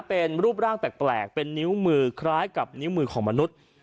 เป็นรูปร่างแปลกเป็นนิ้วมือคล้ายกับนิ้วมือของมนุษย์